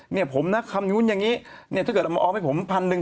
เนี่ยผมนะคำนู้นอย่างนี้เนี่ยถ้าเกิดเอามาออมให้ผมพันหนึ่ง